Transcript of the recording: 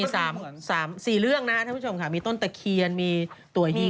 สามสี่เรื่องนะท่านผู้ชมค่ะมีต้นตะเคียนมีตัวยี่